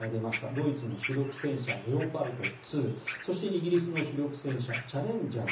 ドイツの主力戦車、レオパルト２そして、イギリスの主力戦車チャレンジャー